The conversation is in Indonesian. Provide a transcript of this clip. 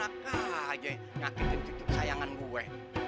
baka aja nyakitin cucuk sayangan gue